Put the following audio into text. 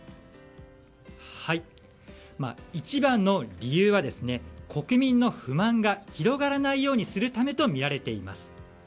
一番の理由は、国民の不満が広がらないようにするためとみられています。